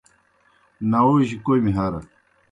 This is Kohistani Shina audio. ناووجیْ کوْمی ہرہ۔